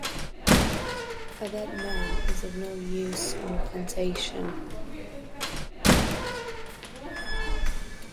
A dead man is of no use on a plantation.